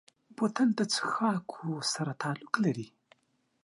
بوتل د څښاکو سره تعلق لري.